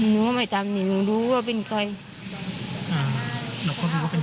เราได้ถามอีกคนนั้นแล้วว่าเกิดอะไรขึ้น